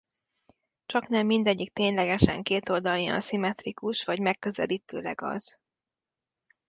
Csaknem mindegyik ténylegesen kétoldalian szimmetrikus vagy megközelítőleg az.